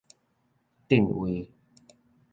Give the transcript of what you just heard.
填位